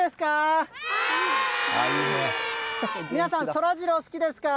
皆さん、そらジロー、好きですか？